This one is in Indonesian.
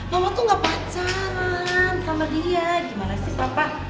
mama tuh gak pacaran sama dia gimana sih papa